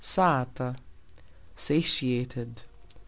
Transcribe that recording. sata : satiated.